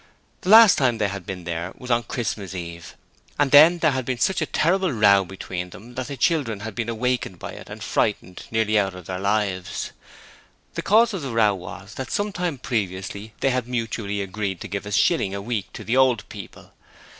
The last time they had been there was on Christmas Eve, and then there had been such a terrible row between them that the children had been awakened by it and frightened nearly out of their lives. The cause of the row was that some time previously they had mutually agreed to each give a shilling a week to the old people.